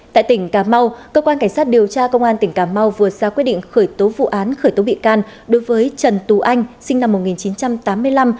tại tỉnh cà mau cơ quan cảnh sát điều tra công an tỉnh cà mau vừa ra quyết định khởi tố vụ án khởi tố bị can đối với trần tú anh sinh năm một nghìn chín trăm tám mươi năm